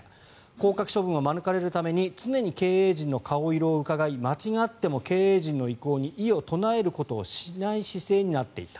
降格処分を免れるために常に経営陣の顔色をうかがい間違っても経営陣の意向に異を唱えることをしない姿勢になっていった。